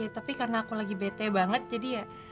tapi karena aku lagi bete banget jadi ya